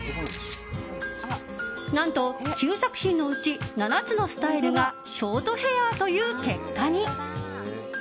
何と、９作品のうち７つのスタイルがショートヘアという結果に。